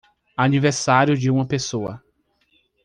Aniversário de uma pessoa